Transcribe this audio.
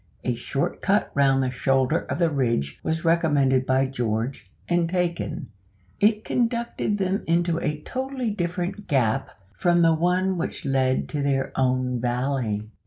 A short cut round the shoulder of the ridge was recommended by George, and taken. It conducted them into a totally different gap from the one which led to their own valley.